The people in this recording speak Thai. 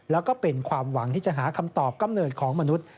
แล้วก็เป็นความหวังที่จะหาคำตอบกำเนิดของมนุษย์